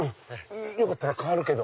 よかったら代わるけど？